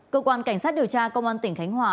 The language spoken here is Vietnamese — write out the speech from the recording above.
cơ quan cảnh sát điều tra công an tỉnh khánh hòa